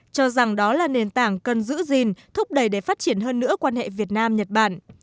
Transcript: cho rằng đó là nền tảng cần giữ gìn thúc đẩy để phát triển hơn nữa quan hệ việt nam nhật bản